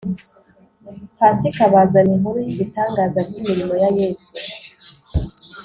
Pasika bazana inkuru y’ibitangaza by’imirimo ya Yesu